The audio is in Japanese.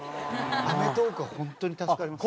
『アメトーーク』は本当に助かりますね。